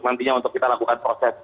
nantinya untuk kita lakukan proses